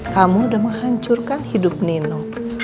kamu sudah menghancurkan hidup nino